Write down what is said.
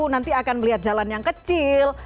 nanti akan melihat jalan yang kecil